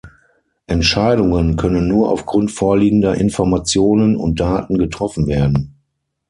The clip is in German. Entscheidungen können nur aufgrund vorliegender Informationen und Daten getroffen werden.